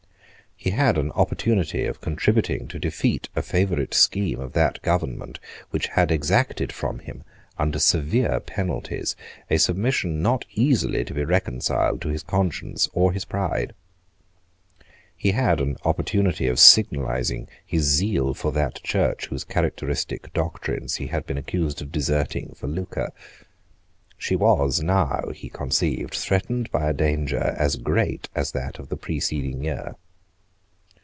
He had an opportunity of contributing to defeat a favourite scheme of that government which had exacted from him, under severe penalties, a submission not easily to be reconciled to his conscience or his pride. He had an opportunity of signalising his zeal for that Church whose characteristic doctrines he had been accused of deserting for lucre. She was now, he conceived, threatened by a danger as great as that of the preceding year.